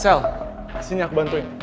sel sini aku bantuin